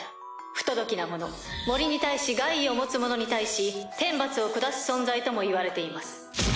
不届きな者森に対し害意を持つ者に対し天罰を下す存在ともいわれています。